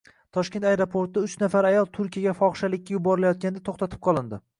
Toshkent aeroportida uch nafar ayol Turkiyaga fohishalikka yuborilayotganda to‘xtatib qolindi